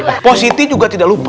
nah pak siti juga tidak lupa